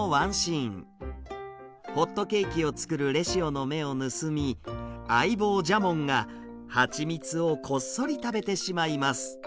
ホットケーキを作るレシオの目を盗み相棒ジャモンが蜂蜜をこっそり食べてしまいます。